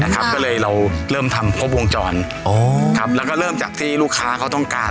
ก็เลยเราเริ่มทำครบวงจรแล้วก็เริ่มจากที่ลูกค้าเขาต้องการ